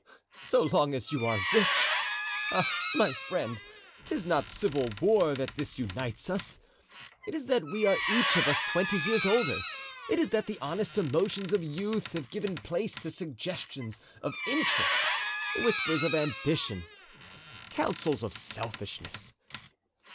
"So long as you are rich! Ah! my friend! 'tis not civil war that disunites us. It is that we are each of us twenty years older; it is that the honest emotions of youth have given place to suggestions of interest, whispers of ambition, counsels of selfishness.